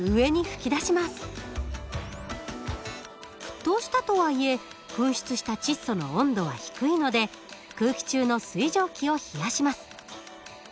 沸騰したとはいえ噴出した窒素の温度は低いので空気中の水蒸気を冷やします。